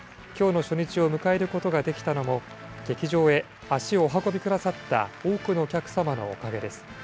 きょうの初日を迎えることができたのも、劇場へ足をお運びくださった多くのお客様のおかげです。